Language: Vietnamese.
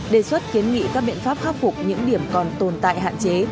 đề xuất kiến nghị các biện pháp khắc phục những điểm còn tồn tại hạn chế